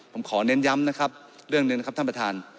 ผมขอเน้นย้ำนะครับเรื่องหนึ่งนะครับท่านประธาน